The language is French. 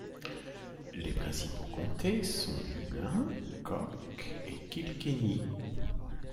Les principaux comtés sont Dublin, Cork et Kilkenny.